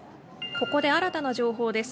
ここで新たな情報です。